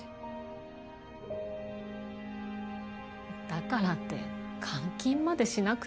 だからって監禁までしなくても。